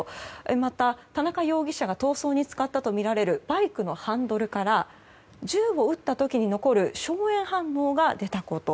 また、田中容疑者が逃走に使ったとみられるバイクのハンドルから銃を撃った時に残る硝煙反応が出たこと。